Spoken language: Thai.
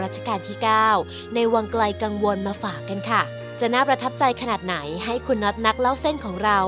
จะน่าประทับใจขนาดไหนให้คุณน็อตนักเล่าเส้นของเรา